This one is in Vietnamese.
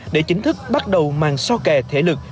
để chính thức bắt đầu mang so kè thể lực